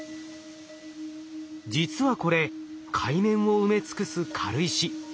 実はこれ海面を埋め尽くす軽石。